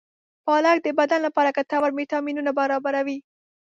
پالک د بدن لپاره ګټور ویټامینونه برابروي.